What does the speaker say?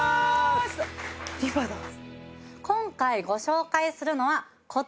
今回ご紹介するのはこちら。